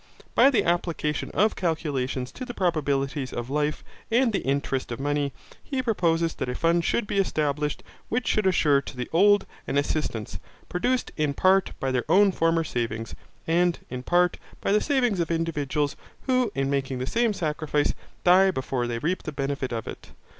By the application of calculations to the probabilities of life and the interest of money, he proposes that a fund should be established which should assure to the old an assistance, produced, in part, by their own former savings, and, in part, by the savings of individuals who in making the same sacrifice die before they reap the benefit of it.